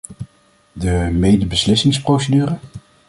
De medebeslissingsprocedure?